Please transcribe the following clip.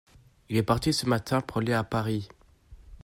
Il est parti ce matin pour aller à Paris.